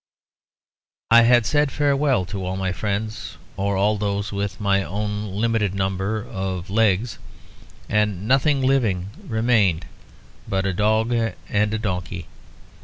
I had said farewell to all my friends, or all those with my own limited number of legs; and nothing living remained but a dog and a donkey.